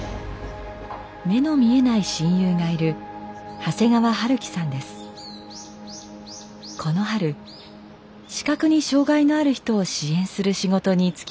目の見えない親友がいるこの春視覚に障害のある人を支援する仕事に就きました。